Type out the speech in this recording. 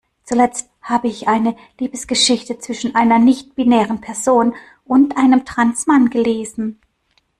Zuletzt hab ich eine Liebesgeschichte zwischen einer nichtbinären Person und einem Trans-Mann gelesen.